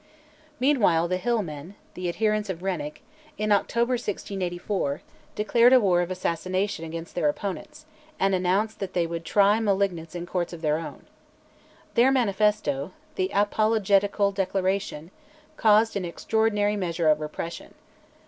Meanwhile "the hill men," the adherents of Renwick, in October 1684, declared a war of assassination against their opponents, and announced that they would try malignants in courts of their own. Their manifesto ("The Apologetical Declaration") caused an extraordinary measure of repression.